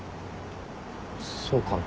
そうかな。